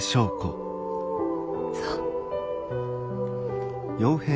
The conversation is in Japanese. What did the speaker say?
そう。